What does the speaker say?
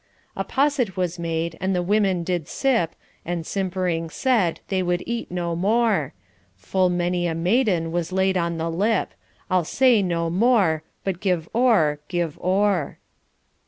A posset was made, and the women did sip, And simpering said, they could eat no more; Full many a maiden was laid on the lip, I'll say no more, but give o'er (give o'er).